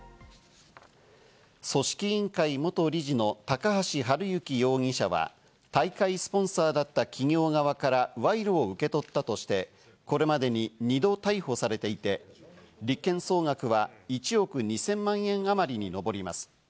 組織委員会・元理事の高橋治之容疑者は、大会スポンサーだった企業側から賄賂を受け取ったとして、これまでに２度逮捕されていて、立件総額は１億２０００万円あまりにのぼります。